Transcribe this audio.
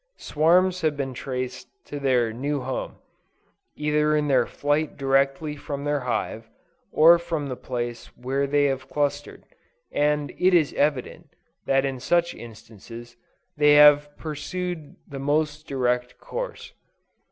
Swarms have been traced to their new home, either in their flight directly from their hive, or from the place where they have clustered; and it is evident, that in such instances, they have pursued the most direct course.